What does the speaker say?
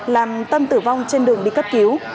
làm tâm tử vong trên đường đi cấp cứu